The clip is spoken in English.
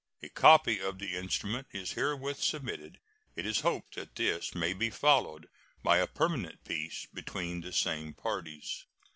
A copy of the instrument is herewith submitted. It is hoped that this may be followed by a permanent peace between the same parties.